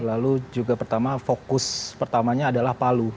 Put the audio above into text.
lalu juga pertama fokus pertamanya adalah palu